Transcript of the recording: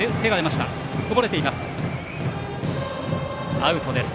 アウトです。